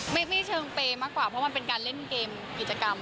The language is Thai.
ไม่เชิงเปย์มากกว่าเพราะมันเป็นการเล่นเกมกิจกรรม